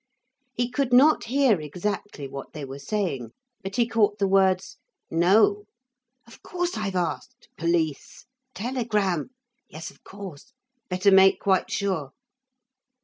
He could not hear exactly what they were saying, but he caught the words: 'No.' 'Of course I've asked.' 'Police.' 'Telegram.' 'Yes, of course.' 'Better make quite sure.'